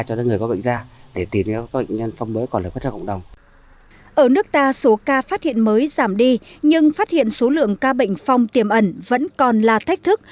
ở nước ta số ca phát hiện mới giảm đi nhưng phát hiện số lượng ca bệnh phong tiềm ẩn vẫn còn là thách thức